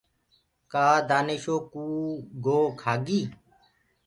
ڪآ دآنشو ڪوُ گو کآگي۔